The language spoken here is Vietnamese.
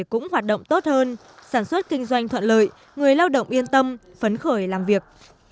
cũng hoạt động tốt hơn sản xuất kinh doanh thuận lợi người lao động yên tâm phấn khởi làm việc